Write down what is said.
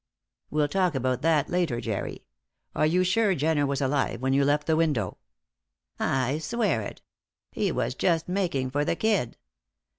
"We'll talk about that later, Jerry. Are you sure Jenner was alive when you left the window?" "I swear it! He was just making for the kid."